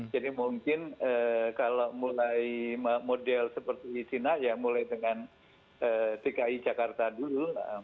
jadi mungkin kalau mulai model seperti sina ya mulai dengan tki jakarta dulu